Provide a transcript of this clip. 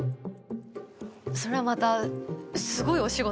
それまたすごいお仕事ですね。